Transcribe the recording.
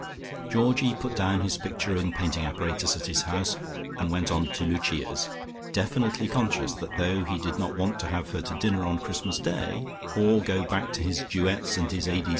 Georgie put down his picture and painting apparatus at his house, and went on to Lucia's, definitely conscious that though he did not want to have her to dinner on Christmas Day, or go back to his duets and his A.